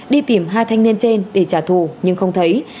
đi tìm hai thanh niên trên để trả thù nhưng không thấy